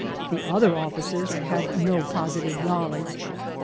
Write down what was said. The other officers had no positive knowledge.